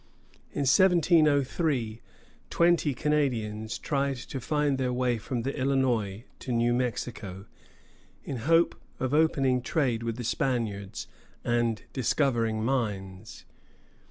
In 1703, twenty Canadians tried to find their way from the Illinois to New Mexico, in hope of opening trade with the Spaniards and discovering mines.